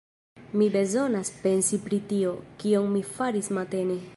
Mi bezonas pensi pri tio, kion mi faris matene.